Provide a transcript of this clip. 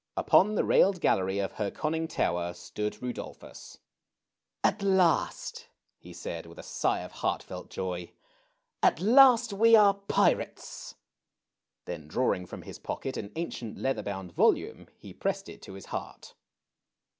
Upon the railed gallery of her conning tower stood Rudolphus. ^^At last," he said, with a sigh of heartfelt joy, at last we are pirates !" Then drawing from his pocket an ancient leather bound volume, he pressed it to his heart.